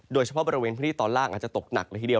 โดยเฉพาะบริเวณพื้นที่ตอนล่างอาจจะตกหนักเลยทีเดียว